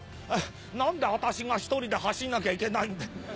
何で私が１人で走んなきゃいけないんだ」。